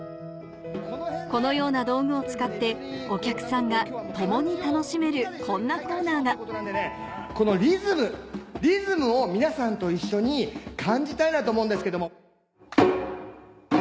このような道具を使ってお客さんが共に楽しめるこんなコーナーがこのリズムリズムを皆さんと一緒に感じたいなと思うんですけども。